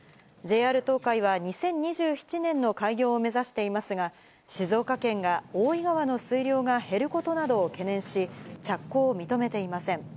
ＪＲ東海は２０２７年の開業を目指していますが、静岡県が大井川の水量が減ることなどを懸念し、着工を認めていません。